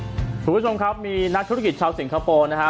คุณผู้ชมครับมีนักธุรกิจชาวสิงคโปร์นะฮะ